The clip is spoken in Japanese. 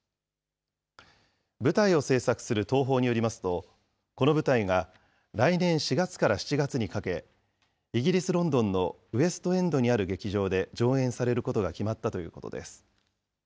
舞台を製作する東宝によりますと、この舞台が来年４月から７月にかけ、イギリス・ロンドンのウエストエンドにある劇場で上演されることが決まったということです。